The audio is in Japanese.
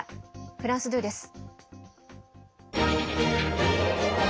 フランス２です。